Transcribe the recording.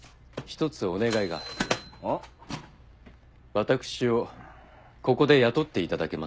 私をここで雇っていただけませんか？